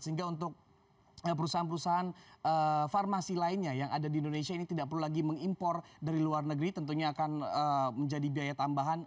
sehingga untuk perusahaan perusahaan farmasi lainnya yang ada di indonesia ini tidak perlu lagi mengimpor dari luar negeri tentunya akan menjadi biaya tambahan